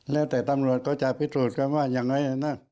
แล้วแต่ตำรวจเขาจะพิสูจน์กันว่ายังไงนะ